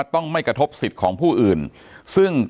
อย่างที่บอกไปว่าเรายังยึดในเรื่องของข้อ